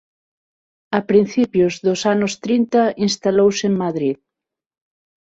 A principios dos anos trinta instalouse en Madrid.